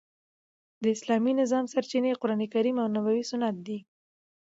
د اسلامي نظام سرچینې قران کریم او نبوي سنت دي.